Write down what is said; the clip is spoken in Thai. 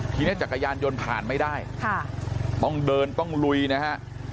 ทีนี้จักรยานยนต์ผ่านไม่ได้ต้องเดินต้องลุยนะฮะ